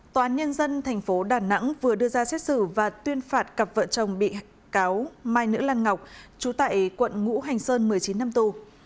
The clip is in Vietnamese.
tòa án nhân dân tp đà nẵng vừa đưa ra xét xử và tuyên phạt cặp vợ chồng bị cáo mai nữ lan ngọc trú tại quận ngũ hành sơn một mươi chín năm tù